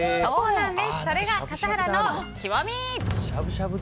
それが笠原の極み！